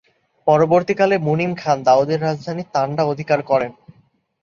পরবর্তীকালে মুনিম খান দাউদের রাজধানী তান্ডা অধিকার করেন।